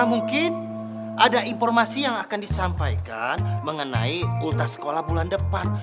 mungkin ada informasi yang akan disampaikan mengenai ultas sekolah bulan depan